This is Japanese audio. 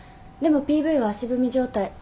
でもＰＶは足踏み状態。